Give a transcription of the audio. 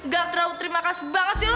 gak terlalu terima kasih banget sih lo